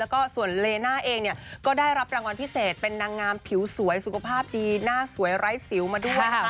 แล้วก็ส่วนเลน่าเองเนี่ยก็ได้รับรางวัลพิเศษเป็นนางงามผิวสวยสุขภาพดีหน้าสวยไร้สิวมาด้วย